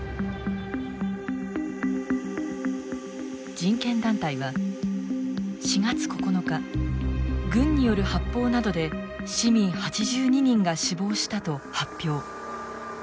人権団体は４月９日軍による発砲などで市民８２人が死亡したと発表。